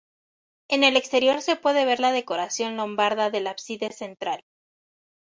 En el exterior se puede ver la decoración lombarda del ábside central.